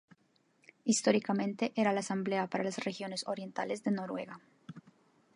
Históricamente era la asamblea para las regiones orientales de Noruega.